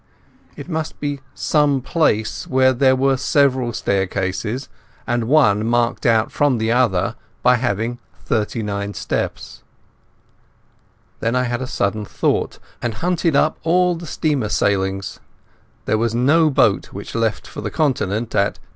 It must be some place where there were several staircases, and one marked out from the others by having thirty nine steps. Then I had a sudden thought, and hunted up all the steamer sailings. There was no boat which left for the Continent at 10.